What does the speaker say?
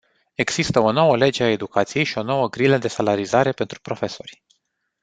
Există o nouă lege a educației și o nouă grilă de salarizare pentru profesori.